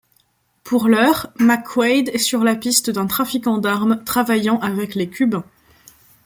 Pour l'heure, McQuade est sur la piste d'un trafiquant d'armes travaillant avec les cubains.